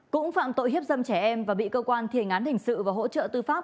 cũng phạm tội hiếp dâm trẻ em và bị cơ quan thiền án hình sự và hỗ trợ tư pháp